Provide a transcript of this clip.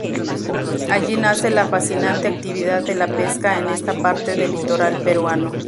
Allí nace la fascinante actividad de la pesca en esta parte del litoral peruano.